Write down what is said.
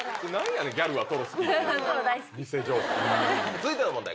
続いての問題